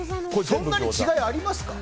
そんなに違いがありますか？